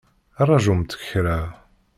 Ṛajumt kra!